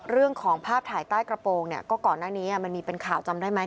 เรื่องของภาพถ่ายใต้กระโปรงเนี่ยก็ก่อนหน้านี้มันมีเป็นข่าวจำได้ไหม